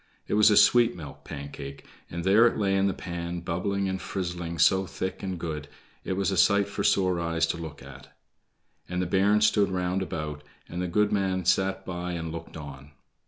It was a sweet milk Pancake, and there it lay in the pan bubbling and frizzling so thick and good, it was a sight for sore eyes to look at. And the bairns stood round about, and the goodman sat by and looked on.